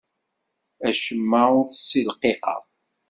Acemma ur t-ssilqiqeɣ.